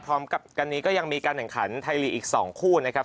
พร้อมกับกันนี้ก็ยังมีการแข่งขันไทยลีกอีก๒คู่นะครับ